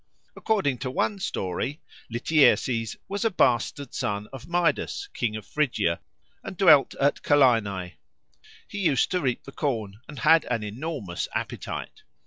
According to one story, Lityerses was a bastard son of Midas, King of Phrygia, and dwelt at Celaenae. He used to reap the corn, and had an enormous appetite.